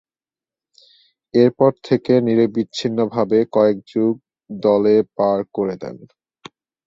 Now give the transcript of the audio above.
এরপর থেকে নিরবিচ্ছিন্নভাবে কয়েক যুগ দলে পার করে দেন।